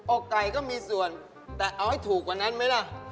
อกไก่ก็มีส่วนแต่เอาให้ถูกกว่านั้นไหมล่ะ